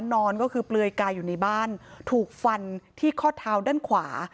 นอนก็คือเปลือยกายอยู่ในบ้านถูกฟันที่ข้อเท้าด้านขวา